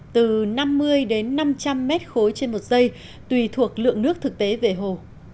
từ năm mươi năm trăm linh m khối trên một giây tùy thuộc lượng nước thực tế về hồ